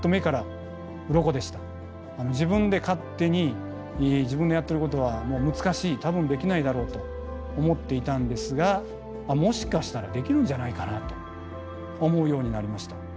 自分で勝手に自分のやってることは難しい多分できないだろうと思っていたんですがもしかしたらできるんじゃないかなと思うようになりました。